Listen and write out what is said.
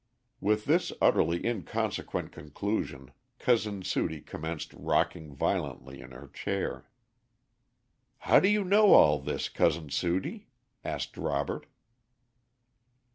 With this utterly inconsequent conclusion, Cousin Sudie commenced rocking violently in her chair. "How do you know all this, Cousin Sudie?" asked Robert.